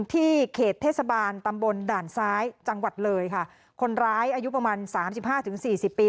เขตเทศบาลตำบลด่านซ้ายจังหวัดเลยค่ะคนร้ายอายุประมาณสามสิบห้าถึงสี่สิบปี